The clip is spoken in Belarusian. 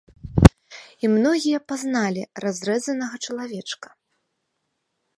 І многія пазналі разрэзанага чалавечка.